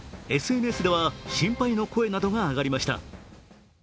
ＳＮＳでは心配の声などが上がりました。